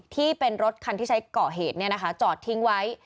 ที่เป็นรถคันที่ใช้ก่อเหตุจอดทิ้งไว้